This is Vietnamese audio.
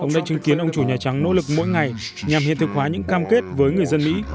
ông đã chứng kiến ông chủ nhà trắng nỗ lực mỗi ngày nhằm hiện thực hóa những cam kết với người dân mỹ